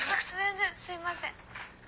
全然すいません。